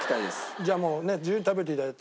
じゃあもうねっ自由に食べて頂いて。